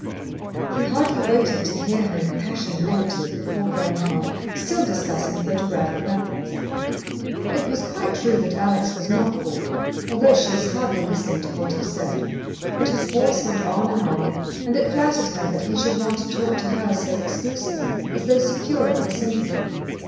He hardly waited to hear her impassioned negative before going on, still discussing photographic methods. It was quite true that Alex was not bored, although she was hardly listening to what he said. But his voice went on and on, and it flattered her that he should want to talk to her so exclusively, as though secure of her sympathy.